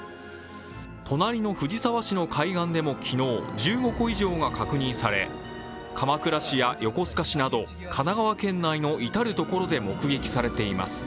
隣の藤沢市の海岸でも昨日、１５個以上が確認され、鎌倉市や横須賀市など神奈川県内の至る所で目撃されています。